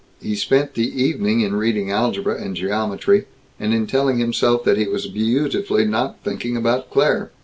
He spent the evening in reading algebra and geometry, and in telling himself that he was beautifully not thinking about Claire.